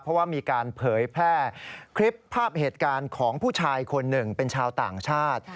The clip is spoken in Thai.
เพราะว่ามีการเผยแพร่คลิปภาพเหตุการณ์ของผู้ชายคนหนึ่งเป็นชาวต่างชาติ